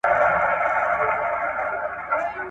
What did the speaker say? مار خوړلی، د رسۍ څخه بېرېږي.